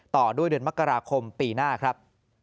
ต่อด้วยเดือนมกราคมปีหน้าครับ